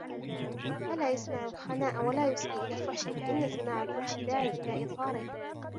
فَلَا يَسْمَعُ خَنَاءً وَلَا يُصْغِي إلَى فُحْشٍ فَإِنَّ سَمَاعَ الْفُحْشِ دَاعٍ إلَى إظْهَارِهِ